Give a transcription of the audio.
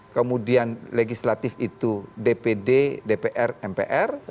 kemudian legislatif itu dpd dpr mpr